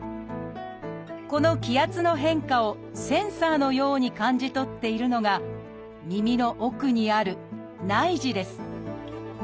この気圧の変化をセンサーのように感じ取っているのが耳の奥にある「内耳」です。